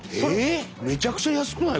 めちゃくちゃ安くない？